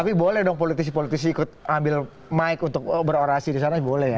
tapi boleh dong politisi politisi ikut ambil mic untuk berorasi disana boleh ya